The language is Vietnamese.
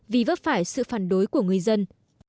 vì vấp phải sự phản đối của người dân